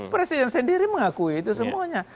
presiden sendiri mengakui itu semuanya